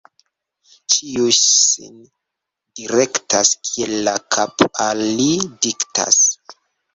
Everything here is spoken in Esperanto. Ĉiu sin direktas, kiel la kap' al li diktas.